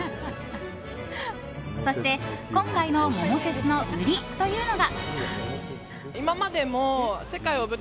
そして、今回の「桃鉄」の売りというのが。